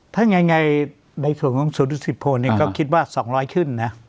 ถ้าง่ายในส่วนของสูตรสิทธิ์โพลเนี่ยก็คิดว่า๒๐๐ขึ้นนะ